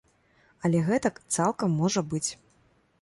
Але гэтак цалкам можа быць.